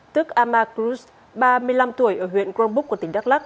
tức amakrus ba mươi năm tuổi ở huyện grombuk của tỉnh đắk lắc